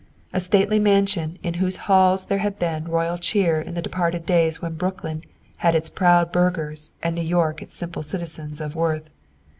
A stately mansion in whose halls there had been royal cheer in the departed days when Brooklyn had its proud burghers and New York its simple citizens of worth.